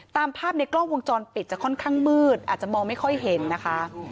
ตามภาพในกล้องวงจรปิดจะค่อนข้างมืดอาจจะมองไม่ค่อยเห็นนะคะ